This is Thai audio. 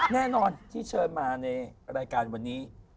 แน่นอนที่เชิญมาในรายการวันนี้